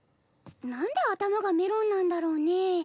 なんで頭がメロンなんだろうね。